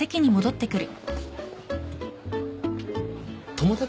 友達？